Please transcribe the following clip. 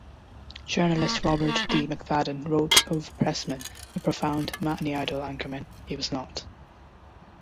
Journalist Robert D. McFadden wrote of Pressman, A profound, matinee-idol anchorman he was not.